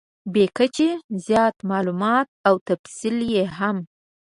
بې کچې زیات مالومات او تفصیل یې هم .